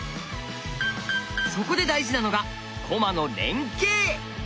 そこで大事なのが駒の連係。